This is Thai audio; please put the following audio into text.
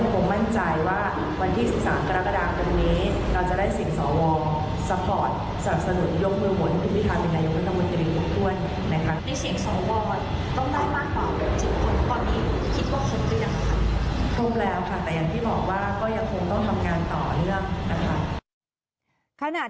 คุณสิริกัญญาบอกว่าตอนนี้ได้ครบแล้ว